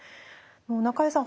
中江さん